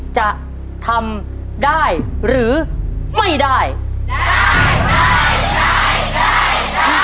จะทำได้หรือไม่ได้